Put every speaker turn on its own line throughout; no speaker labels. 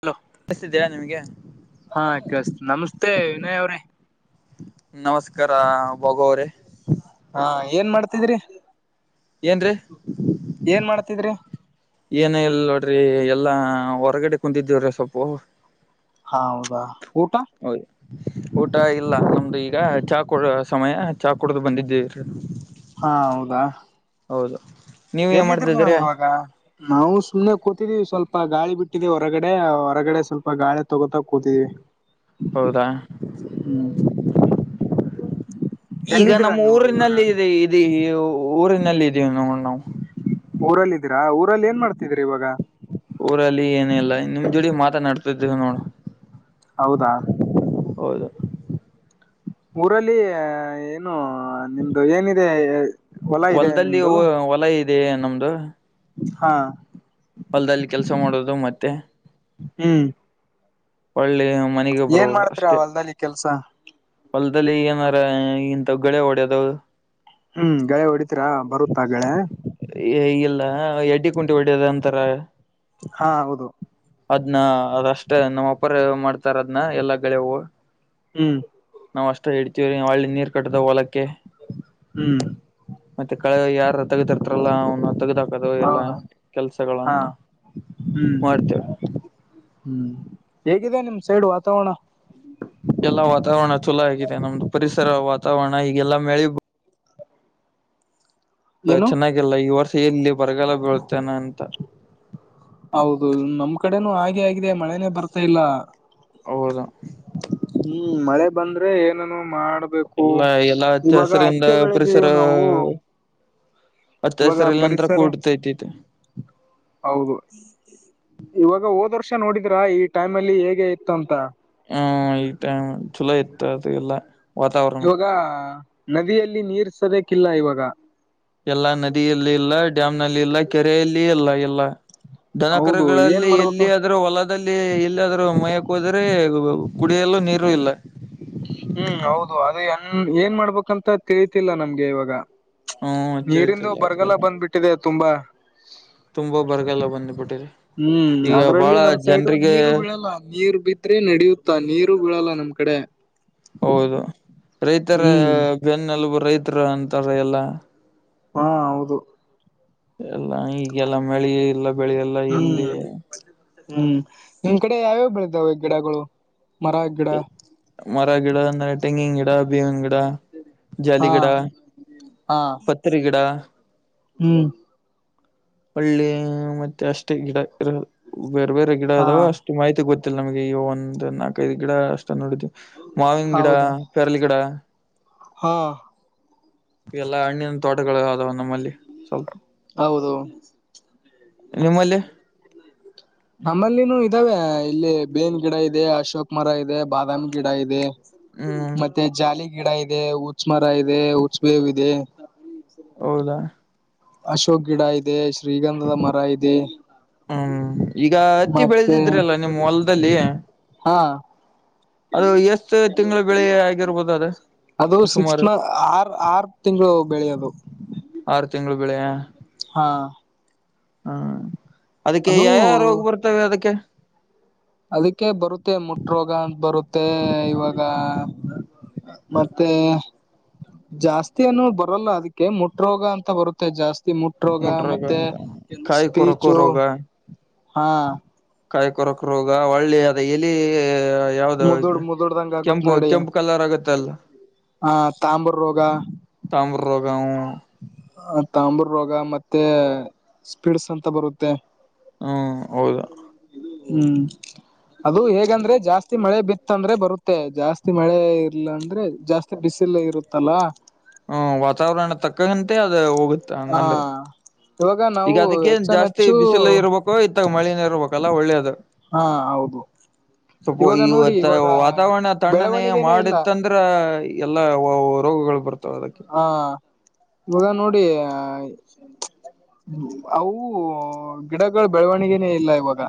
Hello
ಕೇಳಿಸ್ತಿದಿಯ ನಿಮ್ಗೆ.
ಹಾ ಕೇಳಸ್ತ ನಮಸ್ತೆ ವಿನಯ್ ಅವ್ರೆ.
ನಮಸ್ಕಾರ ಬಾಬು ಅವ್ರೆ.
ಹಾ ಏನ್ ಮಾಡ್ತಿದ್ರಿ.
ಏನ್ರಿ.
ಏನ್ ಮಾಡ್ತಿದ್ರಿ.
ಏನ ಇಲ್ ನೋಡ್ರಿ ಎಲ್ಲಾ ಹೊರಗಡೆ ಕುಂದಿದ್ದೇವ್ರಿ ಸೊಪ್ಪು.
ಹ ಹೌದಾ ಊಟ
[unintelligible] ಊಟ ಇಲ್ಲ ನಮ್ದು ಈಗ ಚಾ ಕುಡ್ದು. ಸಮಯ ಚಾ ಕುಡ್ದು ಬಂದಿದ್ದೇ.
ಹಾ ಹೌದಾ
ಹೌದು ನೀವ ಏನ್
ಎಲ್ಲಿದ್ರಿ ನೀವು
ಮಾಡ್ತಿದ್ರಿ
ಇವಾಗ ನಾವು ಸುಮ್ನೆ ಕೂತಿದೀವಿ ಸ್ವಲ್ಪ ಗಾಳಿ ಬಿಟ್ಟೀವಿ ಹೊರಗಡೆ ಹೊರಗಡೆ ಸ್ವಲ್ಪ ಗಾಳಿ ತಗೋತಕ್ ಕೂತಿದೀವಿ. [inaudible]
ಹೌದಾ
ಹ್ಮ್
ಈಗ
ಎಲ್ಲಿದ್ದೀರಾ
ನಮ್ಮ
ನೀವು ಇವಾಗ
ಊರಿನಲ್ಲಿ ಇದು ಇದು ಊರಿನಲ್ಲಿ ಇದೀವು ನಾವು.
ಊರಲ್ಲಿದ್ದೀರಾ ಊರಲ್ಲಿ ಏನ್ ಮಾಡ್ತಿದೀರ ಇವಾಗ.
ಊರಲ್ಲಿ ಏನಲ್ಲಾ ನಿಮ್ಮ ಜೋಡಿ ಮಾತನಾಡ್ತಿದ್ದೇವು ನೋಡು.
ಹೌದಾ
ಹೌದು.
ಊರಲ್ಲಿ ಏನು ನಿಮ್ದು ಏನಿದೆ ಹೊಲ ಇದೆ
ಹೊಲದಲ್ಲಿ
ನಿಮ್ದು
ವು ಹೊಲ ಇದೆ ನಮ್ದು.
ಹಾ
ಹೊಲ್ದಲ್ಲಿ ಕೆಲಸ ಮಾಡೋದು ಮತ್ತೆ.
ಹ್ಮ್
ಒಳ್ಳಿ ಹ್ಮ್.
ಏನ್ ಮಾಡ್ತ್ರಿ ಅಹೊಲ್ದಲ್ಲಿ ಕೆಲ್ಸ.
ಹೊಲ್ದಲ್ಲಿ ಏನಾರ ಇಂಥಗಳೆ ಹೊಡ್ಯದು.
ಹ್ಮ್ ಗಳೆ ಹೊಡಿತರಾ ಬರುತ್ತಾ ಗಳೆ.
ಹೆ ಇಲ್ಲ ಎಡ್ಡಿ ಕುಂಟಿ ಹೊಡ್ಯದ ಅಂತರ.
ಹಾ ಹೌದು.
ಅದ್ನ ಅದಷ್ಟೇ ನಮ್ಮ್ ಅಪರ ಮಾಡ್ತಾರ ಅದ್ನ ಎಲ್ಲ ಗಳೆ ಹೂ.
ಹ್ಮ್
ನಾವ್ ಅಷ್ಟ ಇಡ್ತೀವ್ರೀ ವಳ್ಳಿ ನೀರ್ ಕಟ್ಟ್ದ ಹೊಲಕ್ಕೆ.
ಹ್ಮ್
ಮತ್ತೆ ಕಳೆ ಯಾರರ ತಗದ ಇರ್ತಾರಲ್ಲಾ ಅವ್ನ ತೇಗದ್ ಹಾಕ್ ಅದು ಎಲ್ಲ
ಹೌದು ಹಾ
ಕೆಲ್ಸಗಳನ್ನ
ಹ್ಮ್
ಮಾಡ್ತೇವ.
ಹ್ಮ್ ಹೇಗಿದೆ ನಿಮ್ ಸೈಡ್ ವಾತಾವರಣ.
ಎಲ್ಲಾ ವಾತಾವರಣ ಚೊಲೋ ಆಗಿದೆ ನಮ್ದು ಪರಿಸರ ವಾತಾವರಣ ಈಗೆಲ್ಲಾ ಮಳಿ
ಏನು
ಚೆನ್ನಾಗಿಲ್ಲ ಈ ವರ್ಷ ಎಲ್ಲಿ ಬರಗಾಲ ಬೀಳ್ತೇನೆ ಅಂತ.
ಹೌದು ನಮ್ ಕಡೆನೂ ಹಾಗೆ ಆಗಿದೆ ಮಳೆನನೆ ಬರ್ತಾ ಇಲ್ಲ.
ಅವದ.
ಹ್ಮ್ ಮಳೆ ಬಂದ್ರೆ ಏನನು ಮಾಡ ಬೇಕು
ಎಲ್ಲಾ ಎಲ್ಲಾ ಹಚ್ಚ
ಇವಾಗ
ಹಸಿರಿಂದ
ಹತ್ತೆ
ಪರಿಸರ
ಬೆಳೆದಿದ್ದೀವು ನಾವು.
ಅತ್ತ
ಇವಾಗ
ಹೆಸರಲ್ಲಿ ನಂತರ
ಪರಿಸರ
ಕೂಡ್ತೈತಿತ್ತು.
ಹೌದು ಇವಾಗ ಹೋದ ವರ್ಷ ನೋಡಿದ್ರಾ ಈ ಟೈಮ್ ಅಲ್ಲಿ ಹೇಗೆ ಇತ್ತು ಅಂತ.
ಹ್ಮ ಈ ಟೈಮ್ ಚೊಲೋ ಇತ್ತು ಅದು ಎಲ್ಲ ವಾತಾವರಣ.
ಖಾ ನದಿಯಲ್ಲಿ ನೀರ್ ಸದಕ್ ಇಲ್ಲ ಇವಾಗ.
ಎಲ್ಲಾ ನದಿಯಲ್ಲಿ ಇಲ್ಲ ಡ್ಯಾಮ್ ನಲ್ಲಿ ಇಲ್ಲ ಕೆರೆಯಲ್ಲಿ ಇಲ್ಲ ಎಲ್ಲ.
ಹೌದು ಏನ್
ದನಕರಗಳಲ್ಲಿ
ಮಾಡ್ಬೇಕು
ಎಲ್ಲಿ ಆದ್ರೂ ಹೊಲದ ದಲ್ಲಿ ಎಲ್ಲಾದ್ರೂ ಮಯಕ್ ಹೋದ್ರೆ ಕುಡಿಯಲ್ಲೂ ನೀರು ಇಲ್ಲ.
ಹ್ಮ್ ಹೌದು ಅದ ನ್ ಏನ್ ಮಾಡ್ಬೇಕಂತ ತಿಳಿತಿಲ್ಲ ನಮ್ಗೆ ಇವಾಗ.
ಹ್ಮ
ನೀರಿಂದು
ತಿಳಿತಿಲ್ಲ
ಬರಗಾಲ
ಅದಗೆಲ್ಲ
ಬಂದ್ಬಿಟ್ಟಿದೆ ತುಂಬಾ.
ತುಂಬಾ ಬರಗಾಲ ಬಂದ್ಬಿಟ್ಟಿದೆ.
ಹ್ಮ್ ಅದ್ರಲ್ಲಿ ನಮ್ ಸೈಡು ನೀರು ಬೀಳಲ್ಲ ನೀರ್ ಬಿ ರಿ ನಡೆಯುತ್ತಾ ನೀರು ಬೀಳಲ್ಲ ನಮ್ ಕಡೆ.
ಹೌದು ರೈತರ
ಹ್ಮ್
ಬೆನ್ನಲುಬು ರೈತರು ಅಂತಾರ ಎಲ್ಲಾ.
ಹಾ ಹೌದು.
ಎಲ್ಲ ಈಗೆಲ್ಲ ಮಳಿ ಇಲ್ಲ. ಬೆಳಿ ಎಲ್ಲ ಎಲ್ಲಿ
ಹ್ಮ್ ಹ್ಮ್ ನಿಮ್ ಕಡೆ ಯಾವ್ಯಾವ ಬೆಳತಾವ ಈ ಗಿಡಗಳು. ಮರ ಗಿಡ.
ಮರ ಗಿಡ ನೈಟಿಂಗ್ ತೆಂಗಿನ ಗಿಡ ಬೇವಿನ ಗಿಡ
ಹಾ
ಜಾಡಿಗಿಡ
ಹಾ
ಪತರಿ ಗಿಡ
ಹ್ಮ್
ಹೋಳ್ಳಿ ಮತ್ತೆ ಅಷ್ಟೇ ಗಿಡ ಇರ ಬೇರೆ ಬೇರೆ ಗಿಡ
ಹಾ
ಅದಾವ ಅಷ್ಟ ತೂ ಮಾಹಿತಿ ಗೊತ್ತಿಲ್ಲ ನಮಗೆ ಈ ಒಂದು ನಾಲ್ಕೈದು ಗಿಡ ಅಷ್ಟ ನೋಡಿದ್ವಿ ಮಾವಿನ ಗಿಡ
ಹೌದಾ
ಪೆರಲಿ ಗೀಡ
ಹಾ
ಎಲ್ಲ ಹಣ್ಣಿನ ತೋಟಗಳು ಅದಾವ ನಮ್ಮಲ್ಲಿ ಸ್ವಲ್ಪ
ಹೌದು
ನಿಮ್ಮಲ್ಲಿ
[inaudible] ನಮ್ಮಲ್ಲಿನೂ ಇದಾವೆ ಇಲ್ಲಿ ಬೇನ್ ಗಿಡ ಇದೆ ಅಶೋಕ್ ಮರ ಇದೆ ಬಾದಾಮಿ ಗಿಡ ಇದೆ
ಹ್ಮ್
ಮತ್ತೆ ಜಾಲಿ ಗಿಡ ಇದೆ ಉಚ್ ಮರ ಇದೆ ಉಚ್ಚ ಬೇವು ಇದೆ
ಹೌದಾ
ಅಶೋಕ್ ಗಿಡ ಇದೆ ಶ್ರೀಗಂಧದ ಮರ ಇದೆ
ಹ್ಮ್ ಈಗ ಹತ್ತಿ
ಮತ್ತೆ
ಬೆಳೆದಿದ್ರಲ್ಲ ನಿಮ್ಮ್ ಹೊಲದಲ್ಲಿ
ಹಾ
ಅದು ಎಷ್ಟು
ತೆಲೂರ್
ತಿಂಗಳ ಬೆಳೆ
ತೆಲೂರ್ ತೇಳುರ್
ಆಗಿರ್ಬೋದು ಅದು
ಅದು ಸೆಕ್ಸ್
ಸುಮಾರು
ಮೊಂತ್ ಆರ್ ಆರ್ ತಿಂಗಳು ಬೇಳಿ ಅದು
ಆರು ತಿಂಗಳು ಬೇಳಿಯ
ಹಾ
ಹ್ಮ ಅದಕ್ಕೆ
ಅದು
ಯಾಯಾವ ರೋಗ ಬರ್ತವೆ ಅದಕ್ಕೆ
ಅದಕ್ಕೆ ಬರುತ್ತೆ ಮುಟ್ರೋಗ ಅಂತ ಬರುತ್ತೆ ಇವಾಗ ಮತ್ತೆ ಜಾಸ್ತಿ ಏನು ಬರಲ್ಲ ಅದಕ್ಕೆ ಮುಟ್ ರೋಗ ಅಂತ ಬರುತ್ತೆ ಜಾಸ್ತಿ ಮುಟ್ರೋಗ
ಮುಟ್ ರೋಗ
ಮತ್ತೆ
ಕಾಯಿ
ಸ್ಪೀಚ
ಕೊರಕೋ ರೋಗ
ಹಾ
ಕಾಯಿ ಕೊರಕ್ ರೋಗ ಹೋಳ್ಳೆ ಅದ ಎಲಿ ಯಾವ್ದ
ಮುದುಡ್ ಮುದುಡ್ದಂಗ ಆಗುತ್
ಕೆಂಪು
ನೋಡಿ
ಕೆಂಪು ಕಲರ್ ಆಗತ್ತಲ್ಲ
ಆ ತಾಂಬೂರ್
ತಾಂಬರ್ ರೋಗ ಹ್ಮ್
ಆ ತಂಬ್ರ ರೋಗ ಮತ್ತೆ ಸ್ಪಿಡ್ಸ್ ಅಂತ ಬರುತ್ತೆ
ಹ್ಮ್ ಹೌದು
ಹ್ಮ್ ಅದು ಹೇಗಂದ್ರೆ ಜಾಸ್ತಿ ಮಳೆ ಬಿದ್ದ ಇತ್ತಂದ್ರೆ ಬರುತ್ತೆ ಜಾಸ್ತಿ ಮಳೆ ಇಲ್ಲ ಅಂದ್ರೆ ಜಾಸ್ತಿ ಬಿಸಿಲು ಇರುತ್ತಲ್ಲ
ಹ್ಮ ವಾತಾವರಣ ತಕ್ಕಂತೆ ಅದು ಹೋಗುತ್ತ
ಹಾ
ಹಂಗಂದ್ರ
ಇವಾಗ ನಾವು ಹೆಚ್ಚನ್ ಹೆಚ್ಚು
ಪೋ ಇತ್ತಾಗ ಮಳಿನೆ ಇರ್ಬೇಕಲ್ಲ ಒಳ್ಳೇದು
ಹಾ ಹೌದು ಇವಾಗ ನೋಡಿ
ಸ್ವಲ್ಪ
ಇವಾಗ
ವಾತಾವರಣ ತಣ್ಣನೇ
ಬೆಳವಣಿಗೆನೇ
ಮಾಡ
ಇಲ್ಲ
ಯಿತ ಅಂದರೆ ಎಲ್ಲಾ ರೋಗಗಳು ಬರುತ್ತೆ
ಹಾ ಇವಾಗ ನೋಡಿ ಅವು ಗಿಡಗಳ ಬೆಳವಣಿಗೆನೇ ಇಲ್ಲ ಇವಾಗ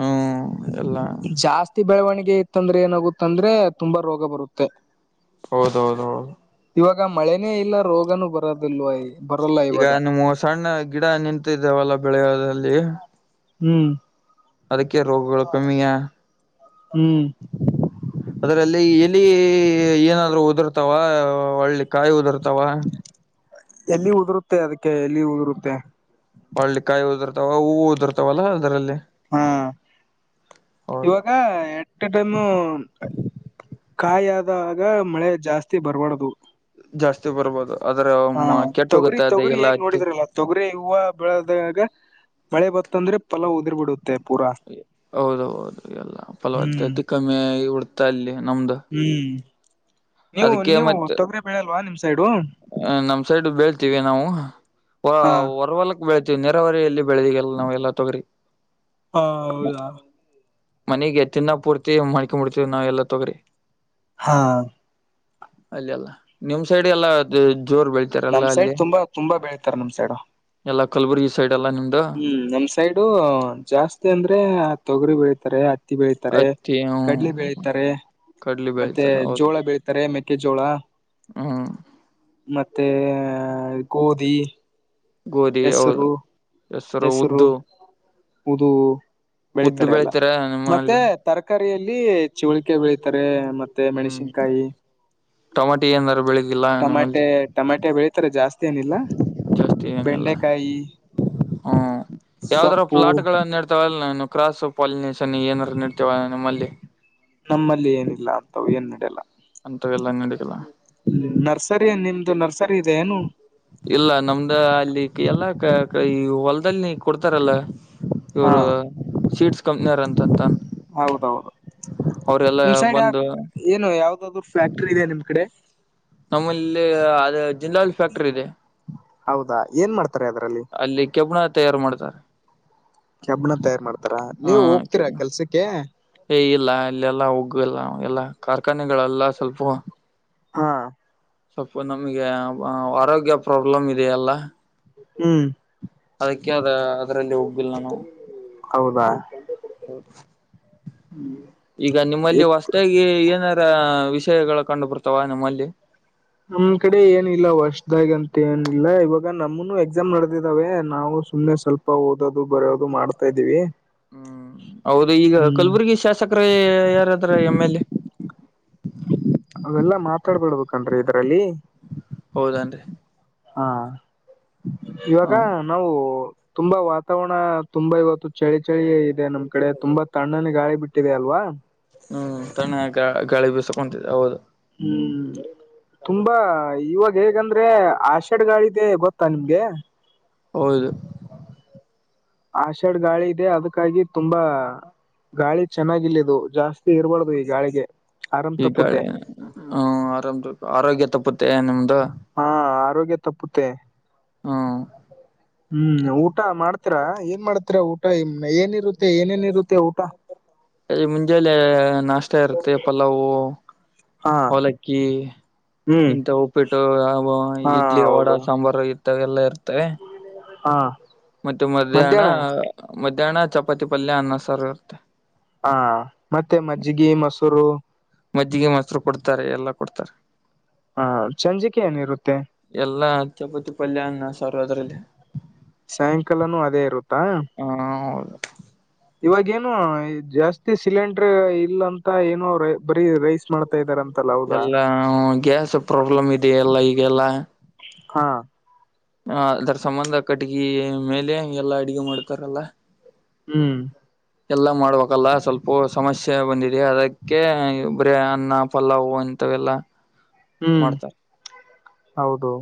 ಹ್ಮ ಎಲ್ಲಾ
ಜಾಸ್ತಿ ಬೆಳವಣಿಗೆ ಇತ್ತಂದ್ರೆ ಏನಾಗುತ್ತಂದ್ರೆ ತುಂಬಾ ರೋಗ ಬರುತ್ತೆ
ಹೌದೌದ ಹೌದು
ಇವಾಗ ಮಳೆನೇ ಇಲ್ಲ ರೋಗನು ಬರೋದಲ್ವ
ಈಗ ನಿಮ್ಮವ್ ಸಣ್ಣ ಗಿಡ ನಿಂತಿದ್ದೇವಲ್ಲ ಬೆಳೆಯೊದಲ್ಲಿ
ಹ್ಮು
ಅದಕ್ಕೆ ರೋಗಗಳು ಕಮ್ಮಿಯಾ
[inaudible]
ಅದ್ರಲ್ಲಿ ಇಲೀ ಏನಾದ್ರು ಉದುರ್ತಾವ ಒಳ್ಳಿ ಕಾಯಿ ಉದುರ್ತಾವ
ಎಲ್ಲಿ ಉದುರುತ್ತೆ ಅದಕ್ಕೆ ಯಲಿ ಉದುರುತ್ತೆ
ವಾಳ್ಳಿ ಕಾಯಿ ಉದುರುತ್ತವ ಹೂವು ಉದುರುತ್ತವ ಅದರಲ್ಲಿ
ಹಾ
ಹೌದು
ಇವಾಗ ಎ ಂತಾ ಟೈಮು ಕಾಯ ಆದಾಗ ಮಳೆ ಜಾಸ್ತಿ ಬರ್ಬಾರ್ದು
ಜಾಸ್ತಿ ಬರ್ಬೋದು ಆದದ್ರೆ
ಹಾ
ಮ
ತೊಗರಿ
ಕೆಟ್ಟೊಗುತ್ತೆ
ತೊಗರಿ
ಎಲ್ಲಾ
ಹೇಗ್
ಹತ್ತಿ
ನೋಡಿದ್ರಲ್ಲ ತೊಗರಿ ಹೂವ ಬೆಳೆದಾಗ ಮಳೆ ಬತ್ತಂದ್ರೆ ಫಲ ಉದಿರ್ ಬಿಡುತ್ ತ್ತ್ ಪೂರ
ಲಿ ಹೌದುಹೌದು ಎಲ್ಲಾ
ಹ್ಮ್
ಫಲವತ್ತತೆ ಕಮ್ಮಿ ಆಗ್ ಬಿಡ್ತು ಅಲ್ಲಿ ನಮ್ದು
ಹ್ಮು ನೀವ್
ಅದಕ್ಕೆ
ನೀವ್
ಮತ್ತೆ
ತೊಗರಿ ಬೆಳಿಯಲ್ವಾ ನಿಮ್ ಸೈಡು
ನಮ್ ಸೈಡ್ ಬೆೇಳಿತ್ತಿವಿ ನಾವು ಹೊ
ಹಾ
ಹೊರ್ವಲಕ್ ಬೆೇಳಿತ್ತಿವಿ ನೆರಾವರಿಯಲ್ಲಿ ಬೆಳದಿಗೆಲ್ಲ ನಾವ್ ತೊಗರಿ
ಹ ಹೌದಾ
ಮನೆಗೆ ತಿನ್ನ ಪೂರ್ತಿ ಮಾಡ್ಕೊಂಡಬಿಡ್ತೀವಿ ನಾವೇಲ್ಲ ತೊಗ್ರಿ
ಹಾ
ಅಲ್ಲೆಲ್ಲ ನಿಮ್ ಸೈಡೇಲ್ಲ ಜೊ ಜೋರ್ ಬೆಳ್ತ
ನಮ್ ಸೈಡ್ ತುಂಬಾ ತುಂಬಾ ಬೆಳತಾರೆ ನಮ್ ಸೈಡ್
ಎಲ್ಲಾ ಕಲ್ಬುರ್ಗಿ ಸೈಡೇಲ್ಲ ನಿಮ್ದು
ಹ್ಮು ನಮ್ ಸೈಡು ಜಾಸ್ತಿ ಅಂದ್ರೆ ತೊಗರಿ ಬೆಳಿತಾರೆ ಹತ್ತಿ ಬೆಳಿತಾರೆ
ಹತ್ತಿ
ಕಡ್ಲೆ
ಹ್ಮ್
ಬೆಳಿತಾರೆ
ಕಡ್ಲಿ
ಮತ್ತೆ
ಬೆಳಿತಾರ ಹೌದು
ಜೋಳ ಬೆಳಿತಾರೆ ಮೆಕ್ಕೆಜೋಳ
ಹ್ಮ್
ಮತ್ತೇ ಗೋಧಿ
ಗೋಧಿ ಹೌದು ಹೆಸರು
ಹೆಸ್ರು
ಉದ್ದು
ಉದೂ
ಉದ್ದು
ಬೆಳಿತಾರೆಲ್ಲ
ಬೆಳಿತಾರ
ಮತ್ತೆ
ನಿಮ್ಮಲ್ಲಿ
ತರ್ಕಾರಿಯಲ್ಲಿ ಚುವ್ಳಿಕೆ ಬೆಳಿತಾರೆ ಮತ್ತೆ
ಹ್ಮ್
ಮೆಣಸಿನ್ಕಾಯಿ
ಟೊಮಾಟಿ ಏನಾರ ಬೆಳಗಿಲ್ಲ ನಮ್ಮಲ್ಲಿ
ಟಮಟೆ ಟಮಟೆ ಬೆಳಿತಾರೆ ಜಾಸ್ತಿ ಏನಿಲ್ಲ ಬೆಂಡೆಕಾಯಿ
ಹ್ಮಾ ಯಾವ್ದಾದ್ರು
ಸೊಪ್ಪು
ಪ್ಲಾಟುಗಳುನ್ [unintelligible] ನಿಮ್ ಕ್ರಾಸು ಪಾಲಿನೇಷನ್ ಏನಾರು ನಡಿತವಾ ನಮ್ಮಲ್ಲಿ
ನಮ್ಮಲ್ಲಿ ಏನಿಲ್ಲ ಅಂತವು ಏನ್ ನಡೆಯಲ್ಲ
ಅಂತವೆಲ್ಲ ನಡಿಯಲ್ಲ
ನರ್ಸರಿನ್ ನಿಮ್ದು ನರ್ಸರಿ ಇದೆ ಏನು
ಇಲ್ಲ ನಮ್ದು ಅಲ್ಲಿ ಕೆಲ್ನಾಕ ಈ ಹೊಲದಲ್ಲಿ ನೀ ಕೊಡ್ತಾರಲ್ಲ
ಹಾ
ಇವ್ರು ಸೀಟ್ಸ್ ಕಂಪ್ನಿಯರ್ ಅಂತಂತನ್
ಹೌದೌದು
ಅವ್ರೆಲ್ಲ
ನಿಮ್ ಸೈಡ್
ಬಂದು
ಏನು ಯಾವ್ದಾದ್ರು ಫ್ಯಾಕ್ಟ್ರಿ ಇದೆ ನಿಮ್ ಕಡೆ
ನಮ್ಮಲಿಲ್ಲೆ ಅದು ಜಿಂದಾಲ್ ಫ್ಯಾಕ್ಟ್ರಿ ಇದೆ
ಹೌದಾ ಏನ್ ಮಾಡ್ತಾರೆ ಅದ್ರಲ್ಲಿ
ಅಲ್ಲಿ ಕೆಬ್ಣ ತಯಾರು ಮಾಡ್ತಾರೆ
ಕೆಬ್ಣ ತಯಾರ್ ಮಾಡ್ತಾರ
ಹಾ
ನೀವು ಹೋಗ್ತೀರಾ
ಕೆಬ್ಬಣ
ಕೆಲ್ಸಕ್ಕೆ
ಏ ಇಲ್ಲ ಇಲ್ಲೆಲ್ಲ ಹೋಗುವಿಲ್ಲ ಎಲ್ಲ ಕಾರ್ಖಾನೆಗಳೆಲ್ಲ ಸ್ವಲ್ಪು
ಹಾ
ಸ್ವಪ್ಪು ನಮ್ಗೆ ಬಾ ವಾರೋಗ್ಯ ಪ್ರಾಬ್ಲಮ್ ಇದೆಯಲ್ಲಾ.
ಹ್ಮ್.
ಅದಕ್ಕೆ ಅದ ಅದರಲ್ಲಿ ಹೋಗಿಲ್ಲ ನಾವು.
ಹೌದಾ.
[unintelligible]
ಹ್ಮ.
ಈಗ ನಿಮ್ಮಲ್ಲಿ ಹೊಸ್ತಾಗಿ ಏನಾರ ವಿಷಯಗಳು ಕಂಡುಬರ್ತಾವ ನಿಮ್ಮಲ್ಲಿ.
ನಮ್ ಕಡೆ ಏನಿಲ್ಲ ವಸ್ದಾಗಿ ಅಂತ ಏನಿಲ್ಲ ಇವಾಗ ನಮ್ಮನು ಎಕ್ಸಾಮ್ ನಡೆದಿದಾವೆ ನಾವು ಸುಮ್ನೆ ಸ್ವ ಪ್ಪ ಓದೋದು ಬರಿಯೋದು ಮಾಡ್ತಾ ಇದೀವಿ.
ಹ್ಮ್ ಹೌದು ಈಗ ಕಲ್ಬುರ್ಗಿ ಶಾಸಕರ ಯಾರಾದ್ರ ಎಮ್ ಎಲ್ ಎ.
ಅವೆಲ್ಲಾ ಮಾತಾಡ್ಬಡ್ಬೇಕನ್ರಿ ಇದರಲ್ಲಿ.
ಹೌದನ್ರಿ.
ಹಾ ಇವಾಗ
ಹ
ನಾವು. ತುಂಬಾ ವಾತಾವರಣ ತುಂಬಾ ಇವತ್ತು ಚಳಿ ಚಳಿ ಇದೆ ನಮ್ ಕಡೆ ತುಂಬಾ ತಣ್ಣನ ಗಾಳಿ ಬಿಟ್ಟಿದೆ ಅಲ್ವಾ.
ಹ್ಮ್ ತಣ್ಣ ಗಾ ಗಾಳಿ ಬೀಸಕೊಂತಿದೆ ಹೌದು.
ಹ್ಮು. ತುಂಬಾ ಇವಾಗ ಹೇಗಂದ್ರೆ ಆಷಾಡ್ಗಾಳಿದೆ ಗೊತ್ತಾ ನಿಮ್ಗೆ.
ಹೌದು.
ಆಷಾಡ್ ಗಾಳಿ ಇದೆ ಅದಕ್ಕಾಗಿ ತುಂಬಾ. ಗಾಳಿ ಚೆನ್ನಾಗಿಲ್ಲಿದು ಜಾಸ್ತಿ ಇರ್ಬಾರ್ದು ಈ ಗಾಳಿಗೆ. ಆರಾಮ್
ಈ
ತಪ್ಪುತ್ತೆ
ಕಳೆ ಹ್ಮ ಆರಾಮ್ ಆರೋಗ್ಯ ತಪ್ಪುತ್ತೆ ನಿಮ್ದು.
ಆ ಆರೋಗ್ಯ ತಪ್ಪುತ್ತೆ.
ಹ್ಮ್
ಹ್ಮ್ ಊಟ ಮಾಡ್ತಿರಾ ಏನ್ ಮಾಡ್ತಿರ ಊಟ ಇನ್ನ್ ಏನಿರುತ್ತೆ ಏನೇನ್ ಇರುತ್ತೆ ಊಟ.
ಅಜಿ ಮುಂಜಾಲೆ ನಾಷ್ಟ ಇರುತ್ತೆ ಪಲ್ಲಾವು
ಹಾ
ಅವಲಕ್ಕಿ.
ಹ್ಮ್
ಇಂತ ಉಪ್ಪಿಟ್ಟು ಆವು
ಹಾ
ಇಡ್ಲಿ ವಡಾ
ಹೌದು
ಸಾಂಬಾರು ಇತ್ತ ಎಲ್ಲಾ ಇರ್ತವೆ.
ಹಾ.
ಮತ್ತೆ ಮಧ್ಯಾಹ್ನ ಮಧ್ಯಾಹ್ನ ಚಪಾತಿ ಪಲ್ಯ ಅನ್ನ ಸಾರ್ ಇರುತ್ತೆ.
ಹಾ ಮತ್ತೆ ಮಜ್ಜಿಗಿ ಮಸೂರು.
ಮಜ್ಜಿಗೆ ಮಸ್ರು ಕೊಡ್ತಾರೆ ಎಲ್ಲಾ ಕೊಡ್ತಾರೆ.
ಹಾ ಚೆಂಜಿಕೆ ಏನಿರುತ್ತೆ.
ಎಲ್ಲಾ ಅತ್ಯಬುತ್ತಿ ಪಲ್ಯಾ ಅನ್ನ ಸಾರ್ ಅದ್ರಲ್ಲಿ.
ಸಾಯಂಕಾಲನುೂ ಅದೇ ಇರುತ್ತಾ.
ಹಾ ಹೌದು.
ಇವಾಗೇನು ಈ ಜಾಸ್ತಿ ಸಿಲೆಂಡ್ರ್ ಇಲ್ಲ ಅಂತ ಏನೋ ಅವ್ರ ಬರೀ ರೈಸ್. ಮಾಡ್ತಾ ಇದಾರ ಅಂತಲ್ಲ ಹೌದಾ.
ಹ್ಮ ಗ್ಯಾಸ್ ಪ್ರಾಬ್ಲಮ್ ಇದೆಯಲ್ಲ ಈಗೆಲ್ಲ.
ಹಾ.
ಹ ಅದ್ರ ಸಂಬಂಧ ಕಟ್ಟಿಗೆ ಮೇಲೆ ಎಲ್ಲಾ ಅಡ್ಗೆ ಮಾಡ್ತಾರಲ್ಲ.
ಹ್ಮ್.
ಎಲ್ಲ ಮಾಡ್ಬೇಕಲ್ಲ ಸ್ವಲ್ಪು ಸಮಸ್ಯೆ ಬಂದಿದೆ ಅದಕ್ಕೆ ಬರೆ ಅನ್ನ ಪಲ್ಲಾವು ಇಂತವೆಲ್ಲ.
ಹ್ಮ್ ಹೌದು.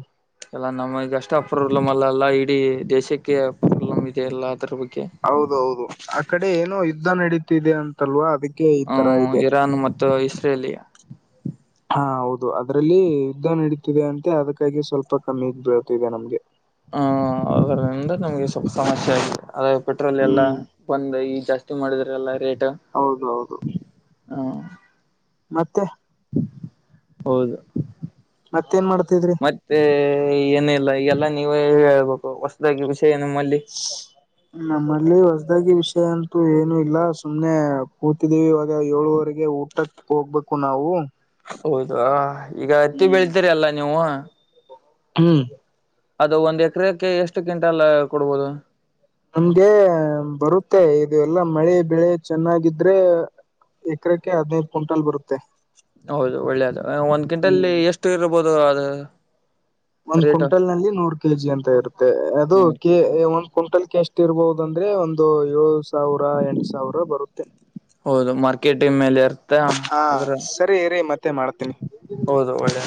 ಎಲ್ಲ ನಮಗ ಅಷ್ಟೇ ಅಪಾಬ್ಲಮ್ ಅಲ್ಲ ಅಲ್ಲ ಇಡೀ ದೇಶಕ್ಕೆ ಪ್ರಾಬ್ಲಮ್ ಇದೆ ಅಲ್ಲ ಅದ್ರ ಬಗ್ಗೆ.
ಹೌದೌದು ಆ ಕಡೆ ಏನೋ ಯುದ್ಧ ನಡೀತಿದೆ ಅಂತಲ್ವಾ ಅ
ಹ್ಮ ಇರಾನ್ ಮತ್ತು ಇಸ್ರೇಲಿಯಾ.
ಹಾ ಹೌದು ಅದ್ರಲ್ಲಿ ಯುದ್ಧ ನಡೀತಿದೆ ಅಂತೆ ಅದಕ್ಕಾಗಿ ಸ್ವಲ್ಪ ಕಮ್ಮಿ ಬೀಳ್ತಿದೆ ನಮ್ಗೆ.
ಹ ಅದರಿಂದ ನಮ್ಗೆ ಸ್ವಲ್ಪ ಸಮಸ್ಯೆ ಆಗಿದೆ ಅದ ಪೆಟ್ರೋಲ್ ಎಲ್ಲ
ಹ್ಮ್
ಒಂದ ಈ ಜಾಸ್ತಿ ಮಾಡಿದ್ರಲ್ಲ ರೇಟ್
ಹೌದ ಹೌದು
ಹ
ಮತ್ತೆ
ಹೌದು
ಮತ್ತೇಏನ್ ಮಾಡ್ತಿದ್ರಿ
ತ್ತೆ ಏನ ಇಲ್ಲ ಈ ಎಲ್ಲ ನೀವೇ ಹೇಳ್ಬೇಕು ಹೊಸದಾಗಿ ವಿುಷಯ ಏನ ನೀಮ್ಮಲ್ಲಿ
[inaudible] ನಮ್ಮಲ್ಲಿ ಹೊಸದಾಗಿ ವಿಷಯ ಅಂತೂ ಏನುೂ ಇಲ್ಲ ಸುಮ್ನೆ ಕೂತಿದ್ದೀವಿ ಇವಾಗ ಏಳುವರೆಗೆ ಊಟ ಟಕ್ ಹೋಗ್ಬೇಕು ನಾವು
ಹೌದ ಈಗ ಹತ್ತಿ
ಹ್ಮ್
ಬೆಳ್ತೀರಿ ಅಲ್ಲ ನೀವು
ಹ್ಮ್
ಅದು ಒಂದ್ ಎಕರೆಕ್ಕೆ ಎಷ್ಟು ಕ್ವಿಂಟಲ್ ಕೊಡ್ಬೋದು
ನಮ್ಗೆ ಬರುತ್ತೆ ಇದು ಎಲ್ಲಾ ಮಳೆ ಬೆಳೆ ಚೆನ್ನಾಗಿದ್ರೆ ಎಕರೆಕ್ಕೆ ಹದಿನೈದು ಕುಂಟಲ್ ಬರುತ್ತೆ
ಹೌದು ಒಳ್ಳೇದು ಒಂದ್
ಹ್ಮ್
ಗಿಂಟಲ್ಲಿ ಎಷ್ಟು ಇರ್ಬೋದು ಅದು
ಒಂದ್
ರೇಟ್
ಕುಂಟಲ್ ನಲ್ಲಿ ನೂರ್ ಕೆಜಿ ಅಂತ ಇರುತ್ತೆ ಅದು
ನೂರು
ಕೆ
ಕೆಜಿ
ಒಂದ್ ಕುಂಟಲ್ ಕೆ ಎಷ್ಟ ತ್ತಿರ್ಬಹುದುಂದ್ರೆ ಒಂದು ಏಳು ಸಾವಿರ ಎಂಟು ಸಾವಿರ ಬರುತ್ತೆ
ಹೌದು ಮಾರ್ಕೆಟಿಂಗ ಮೇಲೆ ಇರುತ್ತ
ಹಾ
ಅದ್ರ
ಸರಿ ಇರಿ ಮತ್ತೆ ಮಾಡ್ತೀನಿ.
ಹೌದು ಒಳ್ಳೇ